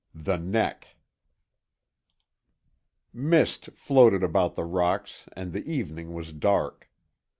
XVI THE NECK Mist floated about the rocks and the evening was dark.